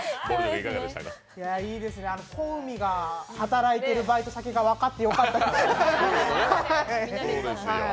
いいですね、小海が働いてるバイト先が分かってよかったです。